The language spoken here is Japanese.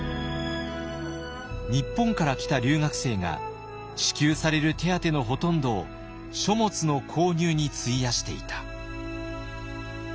「日本から来た留学生が支給される手当のほとんどを書物の購入に費やしていた」。